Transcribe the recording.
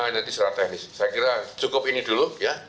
nanti secara teknis saya kira cukup ini dulu ya